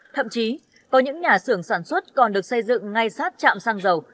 thậm chí có những nhà xưởng sản xuất còn được xây dựng ngay sát chạm sang dầu